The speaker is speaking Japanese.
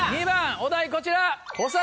お題こちら。